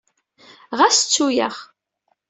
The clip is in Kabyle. Ɣas ttu aya.